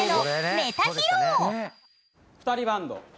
「２人バンド」